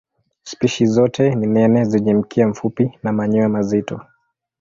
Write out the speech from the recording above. Spishi zote ni nene zenye mkia mfupi na manyoya mazito.